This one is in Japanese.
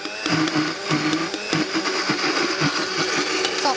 さあ